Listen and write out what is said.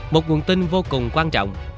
một nguồn tin vô cùng quan trọng